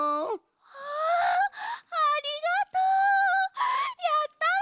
あありがとう！やったわ！